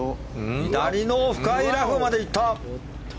左の深いラフまで行った。